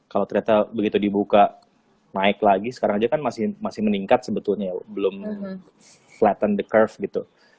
kalau ternyata begitu dibuka naik lagi sekarang aja kan masih meningkat sebetulnya ya belum flatten the curve gitu